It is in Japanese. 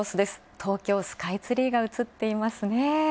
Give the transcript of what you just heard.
東京スカイツリーが映っていますね。